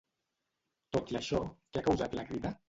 Tot i això, què ha causat la Crida?